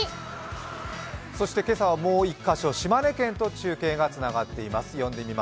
そして今朝はもう一カ所、島根県と中継がつながっています。